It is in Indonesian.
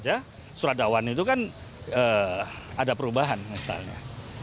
bisa saja surat dakwan itu kan ada perubahan misalnya